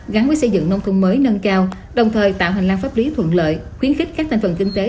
gắn với xây dựng nông thôn mới nâng cao đồng thời tạo hành lang pháp lý thuận lợi khuyến khích các thành phần kinh tế